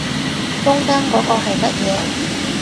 中間嗰個係乜嘢